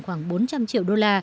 khoảng bốn trăm linh triệu usd